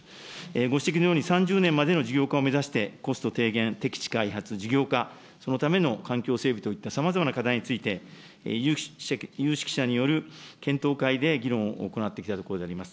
ご指摘のように３０年までの事業化を目指してコスト低減、適地開発、事業化、そのための環境整備といったさまざまな課題について、有識者による検討会で議論を行ってきたところであります。